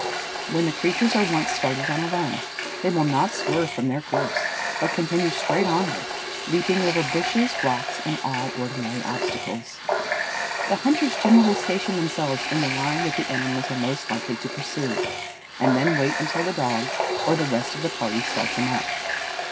When the creatures are once started on a run, they will not swerve from their course, but continue straight onward, leaping over bushes, rocks, and all ordinary obstacles. The hunters generally station themselves in the line that the animals are most likely to pursue, and then wait until the dogs or the rest of the party start them up.